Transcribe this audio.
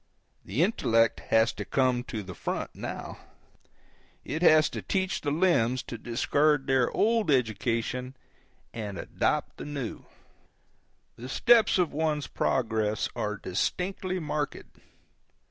The intellect has to come to the front, now. It has to teach the limbs to discard their old education and adopt the new. The steps of one's progress are distinctly marked.